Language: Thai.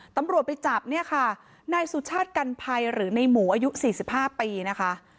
ตำรวจไปจับเนี่ยค่ะนายสุชาติกันภัยหรือในหมูอายุ๔๕ปีนะคะ